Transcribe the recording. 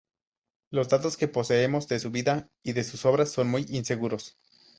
Los datos que poseemos de su vida y de sus obras son muy inseguros.